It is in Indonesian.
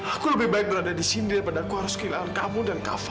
aku lebih baik berada di sini daripada aku harus kehilangan kamu dan kafe